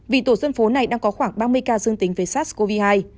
vì tổ dân phố này đang có khoảng ba mươi ca dương tính với sars cov hai